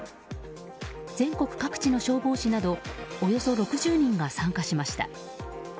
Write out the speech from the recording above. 全国各地の消防士などおよそ６０人が参加しました。